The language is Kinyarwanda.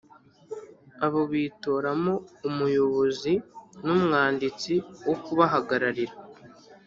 Abo bitoramo umuyobozi n umwanditsi wo kubahagararira.